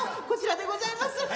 こちらでございます。